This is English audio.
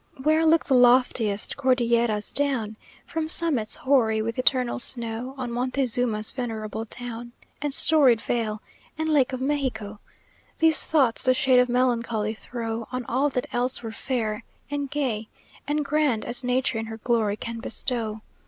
"Where look the loftiest Cordilleras down From summits hoary with eternal snow On Montezuma's venerable town And storied vale, and Lake of Mexico, These thoughts the shade of melancholy throw On all that else were fair, and gay, and grand As nature in her glory can bestow.